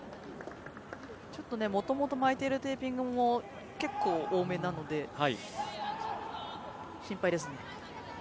もともと巻いているテーピングも結構、多めなので心配ですね。